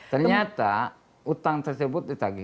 ternyata utang tersebut ditagi